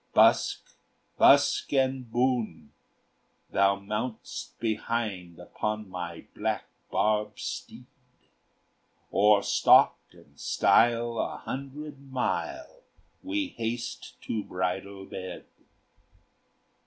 "Busk, busk, and boune! Thou mount'st behind Upon my black barb steed: O'er stock and stile, a hundred mile, We haste to bridal bed."